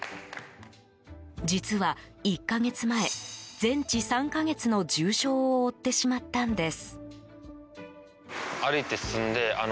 実は１か月前、全治３か月の重傷を負ってしまったんです。